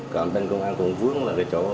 cả bên công an cũng vướng là cái chỗ